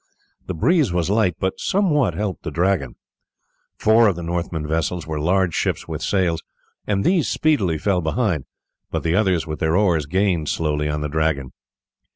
The breeze was light, but somewhat helped the Dragon. Four of the Northmen vessels were large ships with sails, and these speedily fell behind, but the others with their oars gained slowly on the Dragon.